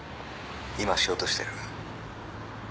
今しようとしてる。